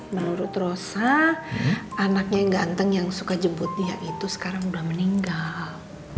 menurut rosa anaknya yang ganteng yang suka jemput dia itu sekarang sudah meninggal